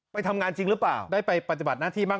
ไปทำงานจริงหรือเปล่า